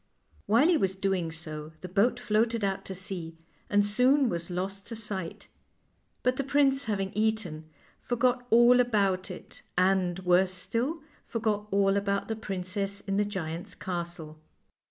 While he was doing so the boat floated out to sea and soon was lost to sight; but the prince, having eaten, forgot all about it, and, worse still, forgot all about the princess in the giant's castle.